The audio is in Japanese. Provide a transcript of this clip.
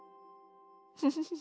フフフフ。